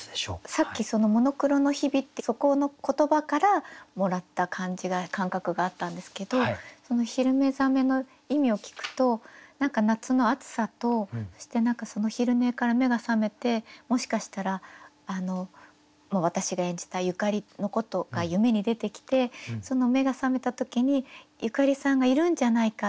さっき「モノクロの日々」ってそこの言葉からもらった感じが感覚があったんですけどその「昼寝覚」の意味を聞くと何か夏の暑さとそしてその昼寝から目が覚めてもしかしたら私が演じたゆかりのことが夢に出てきて目が覚めた時にゆかりさんがいるんじゃないか。